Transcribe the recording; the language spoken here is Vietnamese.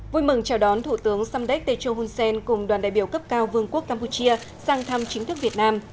vui mừng chào đón thủ tướng samdech techo hun sen cùng đoàn đại biểu cấp cao vương quốc campuchia sang thăm chính thức việt nam